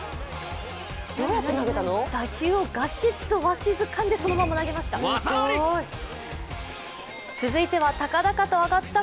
打球をがしっとわしづかんでそのまま投げました。